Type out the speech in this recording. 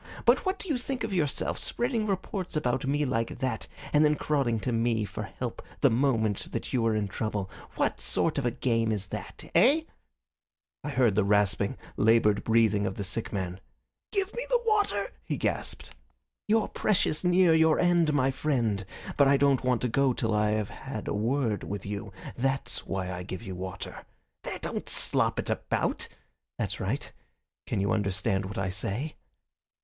But what do you think of yourself spreading reports about me like that, and then crawling to me for help the moment you are in trouble? What sort of a game is that eh?" I heard the rasping, laboured breathing of the sick man. "Give me the water!" he gasped. "You're precious near your end, my friend, but I don't want you to go till I have had a word with you. That's why I give you water. There, don't slop it about! That's right. Can you understand what I say?"